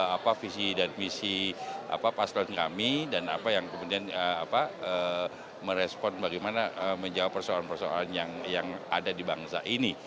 apa visi dan misi paslon kami dan apa yang kemudian merespon bagaimana menjawab persoalan persoalan yang ada di bangsa ini